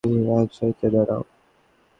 এক সারিতে দাঁড়াও!